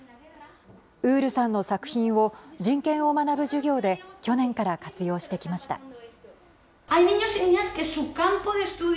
ウールさんの作品を人権を学ぶ授業で去年から活用してきました。